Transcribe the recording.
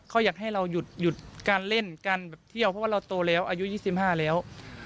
เขาอยากให้เราหยุดการเล่นการแบบเที่ยวเพราะว่าเราโตแล้วอายุ๒๕แล้ว